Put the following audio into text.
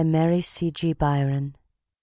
Mary C. G. Byron b.